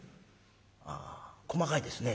「あ細かいですね。